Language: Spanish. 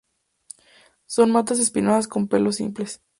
Son matas espinosas con pelos simples.